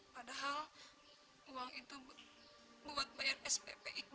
padahal uang itu buat bayar spp iqbal sama husin